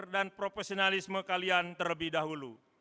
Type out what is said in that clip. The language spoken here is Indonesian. dan profesionalisme kalian terlebih dahulu